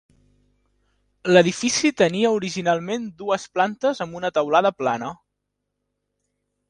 L"edific tenia originalment dues plantes amb una teulada plana.